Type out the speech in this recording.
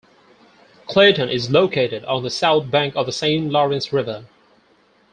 Clayton is located on the south bank of the Saint Lawrence River.